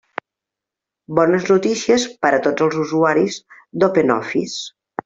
Bones notícies per a tots els usuaris d'OpenOffice.